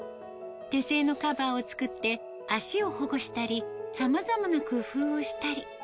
手製のカバーを作って、脚を保護したり、さまざまな工夫をしたり。